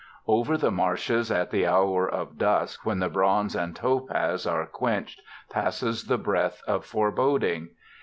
Over the marshes at the hour of dusk when the bronze and topaz are quenched passes the breath of foreboding.